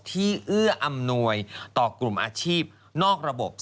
เอื้ออำนวยต่อกลุ่มอาชีพนอกระบบ